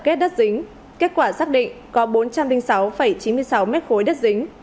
ghét đất dính kết quả xác định có bốn trăm linh sáu chín mươi sáu m ba đất dính